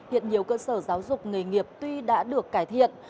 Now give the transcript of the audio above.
hiện nhiều cơ sở giáo dục nghề nghiệp tuy đã được cải thiện